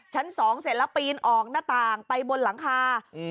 ชั้นสองเสร็จแล้วปีนออกหน้าต่างไปบนหลังคา